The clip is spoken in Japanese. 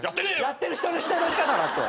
やってる人の否定の仕方だって！